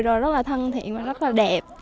rồi rất là thân thiện và rất là đẹp